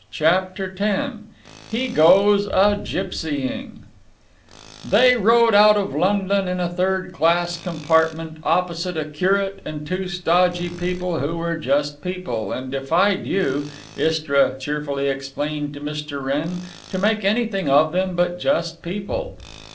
CHAPTER X HE GOES A GIPSYING They rode out of London in a third class compartment, opposite a curate and two stodgy people who were just people and defied you (Istra cheerfully explained to Mr. Wrenn) to make anything of them but just people.